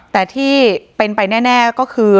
แต่ที่เป็นไปแน่ก็คือ